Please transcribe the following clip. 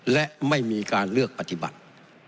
และไม่มีการเลือกปฏิบัติ